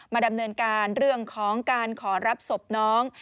ดำเนินการเรื่องของการขอรับศพน้อง